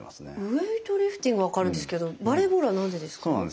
ウエイトリフティングは分かるんですけどバレーボールは何でですか？